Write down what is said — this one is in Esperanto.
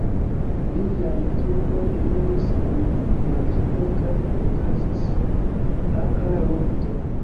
Liaj trupoj eniris en Madrido kaj okazis akra lukto.